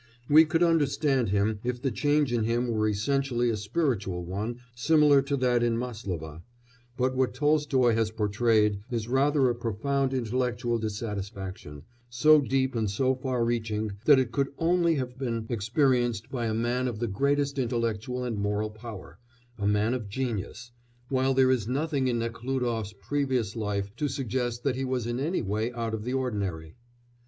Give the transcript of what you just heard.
We could understand him if the change in him were essentially a spiritual one similar to that in Máslova, but what Tolstoy has portrayed is rather a profound intellectual dissatisfaction, so deep and so far reaching that it could only have been experienced by a man of the greatest intellectual and moral power, a man of genius, while there is nothing in Nekhlúdof's previous life to suggest that he was in any way out of the ordinary.